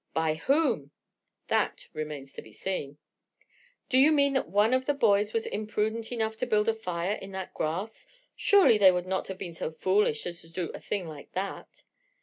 "By whom?" "That remains to be seen." "Do you mean that one of the boys was imprudent enough to build a fire in that grass? Surely they would not have been so foolish as to do a thing like that."